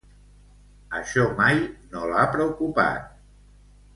Això mai no l'ha preocupat.